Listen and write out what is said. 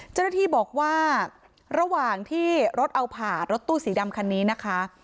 เจ้าหน้าที่บอกว่าระหว่างที่รถเอาผ่ารถตู้สีดำคันนี้นะคะ